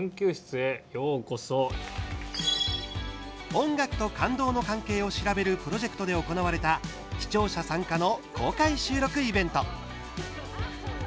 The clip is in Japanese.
「音楽と感動」の関係を調べるプロジェクトで行われた視聴者参加の公開収録イベント。